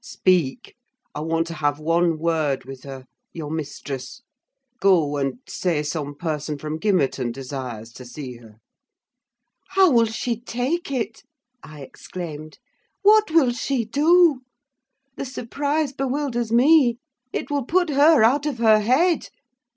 Speak! I want to have one word with her—your mistress. Go, and say some person from Gimmerton desires to see her." "How will she take it?" I exclaimed. "What will she do? The surprise bewilders me—it will put her out of her head!